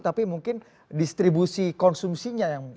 tapi mungkin distribusi konsumsinya yang